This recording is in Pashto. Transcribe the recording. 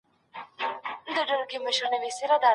د کورني نظام اشخاص درانه مسئوليتونه لري.